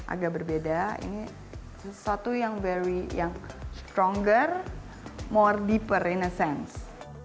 agak berbeda ini sesuatu yang very yang stronger more deeper in a sense